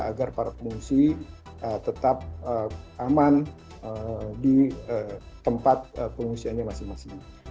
agar para pengungsi tetap aman di tempat pengungsiannya masing masing